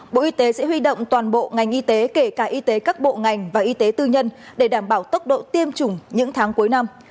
bộ y tế sẽ huy động toàn bộ ngành y tế kể cả y tế các bộ ngành và y tế tư nhân để đảm bảo tốc độ tiêm chủng những tháng cuối năm